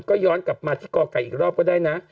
ก็ย้อนกลับมาที่ก่อไก่อีกรอบก็ได้นะ